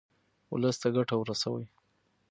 ولس ته ګټه ورسوئ.